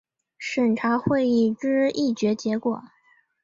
审查会议之议决结果